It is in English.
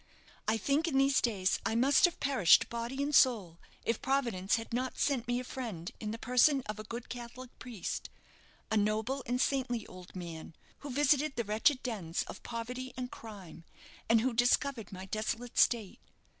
I think in these days I must have perished body and soul if Providence had not sent me a friend in the person of a good Catholic priest a noble and saintly old man who visited the wretched dens of poverty and crime, and who discovered my desolate state.